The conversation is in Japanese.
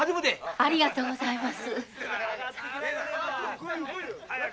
ありがとうございます。